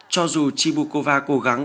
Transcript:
cho dù chibukova cố gắng